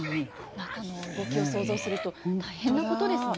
中の動きを想像すると大変なことですね。